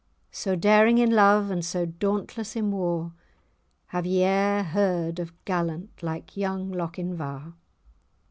So daring in love, and so dauntless in war, Have ye e'er heard of gallant like young Lochinvar?